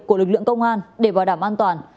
của lực lượng công an để bảo đảm an toàn